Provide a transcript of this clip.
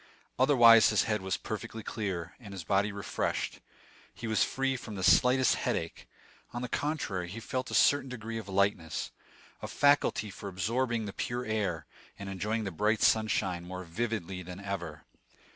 Otherwise, his head was perfectly clear, and his body refreshed; he was free from the slightest headache; on the contrary, he felt a certain degree of lightness, a faculty for absorbing the pure air, and enjoying the bright sunshine more vividly than ever.